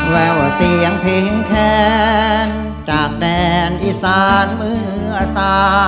แว่วเสียงเพ็งแค้นจากแบบอีสานเมื่อกลายสว่าง